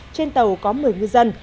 trên tàu có một mươi ngư dân